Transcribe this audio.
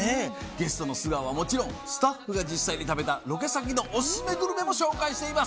ゲストの素顔はもちろんスタッフが実際に食べたロケ先のオススメグルメも紹介しています。